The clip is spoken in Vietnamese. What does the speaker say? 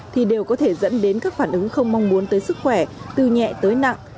thì đều có thể dẫn đến các phản ứng không mong muốn tới sức khỏe từ nhẹ tới nặng